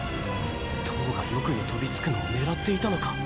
騰が翼に飛びつくのを狙っていたのか？